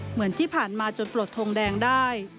เหมือนที่ผ่านมาจนปลดทงแดงได้